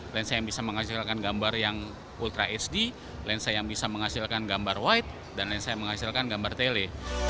lensa yang bisa menghasilkan gambar yang ultra hd lensa yang bisa menghasilkan gambar white dan lensa yang menghasilkan gambar tele